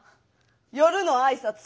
夜の挨拶。